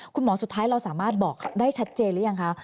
สุดท้ายเราสามารถบอกได้ชัดเจนหรือยังคะ